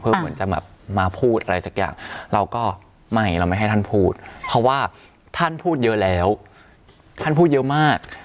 เหมือนจะแบบมาพูดอะไรสักอย่างเราก็ไม่เราไม่ให้ท่านพูดเพราะว่าท่านพูดเยอะแล้วท่านพูดเยอะมาก